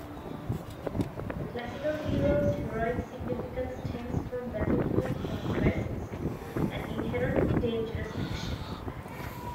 The classical hero's heroic significance stems from battlefield conquests, an inherently dangerous action.